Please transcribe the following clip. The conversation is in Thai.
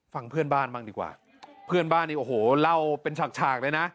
ฟังเพื่อนบ้านบ้างดีกว่าเพื่อนบ้านนี่โอ้โหเล่าเป็นฉากฉากเลยนะ